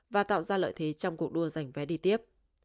và tạo ra lợi thế trong cuộc đua giành vé đi tiếp